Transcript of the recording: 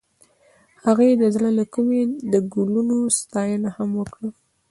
هغې د زړه له کومې د ګلونه ستاینه هم وکړه.